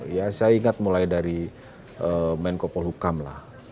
ya saya ingat mulai dari menko polhukam lah